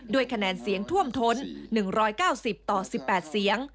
คะแนนเสียงท่วมท้น๑๙๐ต่อ๑๘เสียง